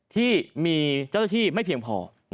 ที่มีเจ้าหน้าที่ไม่เพียงพอ